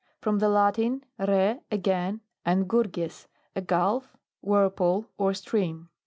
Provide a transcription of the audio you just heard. From the Latin, re, again, and gurges, a gulf, whirl pool, or stream.